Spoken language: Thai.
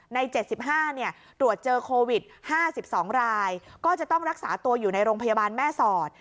๗๕ตรวจเจอโควิด๕๒รายก็จะต้องรักษาตัวอยู่ในโรงพยาบาลแม่สอด